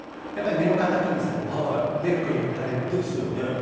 やっぱり目の敵にされる出る杭は打たれるで。